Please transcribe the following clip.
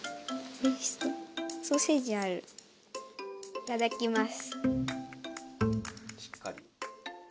いただきます。